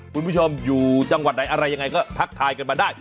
คุณผู้ชมอยู่จังหวัดไหนอะไรยังไงก็ทักทายกันมาได้